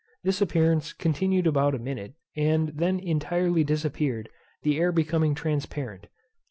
This appearance continued about a minute, and then intirely disappeared, the air becoming transparent.